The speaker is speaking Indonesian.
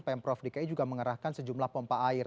pm prof dki juga mengerahkan sejumlah pompa air